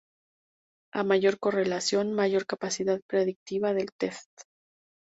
A mayor correlación, mayor capacidad predictiva del test.